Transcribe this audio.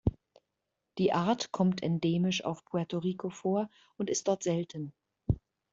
Die Art kommt endemisch auf Puerto Rico vor und ist dort selten.